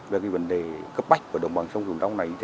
về vấn đề cấp bách của đồng bằng sông cửu long này